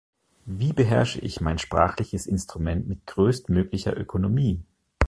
Wie beherrsche ich mein sprachliches Instrument mit größtmöglicher Ökonomie?